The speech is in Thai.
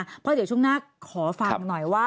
เพราะเดี๋ยวช่วงหน้าขอฟังหน่อยว่า